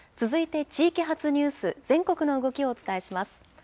続いて地域発ニュース、全国の動きをお伝えします。